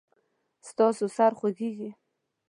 ستاسو سر خوږیږي؟